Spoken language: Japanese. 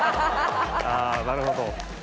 あなるほど。